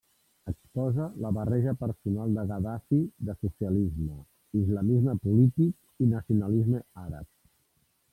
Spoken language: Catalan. Exposa la barreja personal de Gaddafi de socialisme, islamisme polític i nacionalisme àrab.